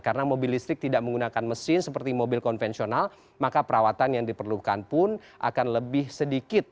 karena mobil listrik tidak menggunakan mesin seperti mobil konvensional maka perawatan yang diperlukan pun akan lebih sedikit